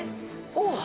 おっ！